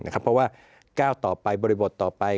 เพราะว่าก้าวต่อไปบริบทต่อไป